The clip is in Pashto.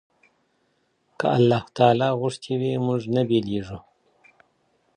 که الله تعالی غوښتي وي موږ نه بيليږو.